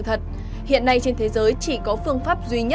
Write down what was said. nhưng mà nếu mà em thích to nữa thì em có thể làm một buổi nữa